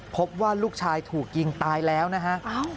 พบว่าลูกชายถูกยิงตายแล้วนะฮะ